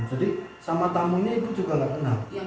jadi sama tamunya ibu juga gak kenal